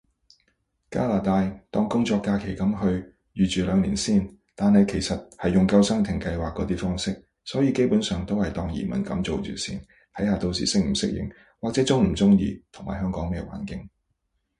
加拿大，當工作假期噉去，預住兩年先，但係其實係用救生艇計劃嗰啲方式，所以基本上都係當移民噉做住先，睇下到時適唔適應，或者中唔中意，同埋香港咩環境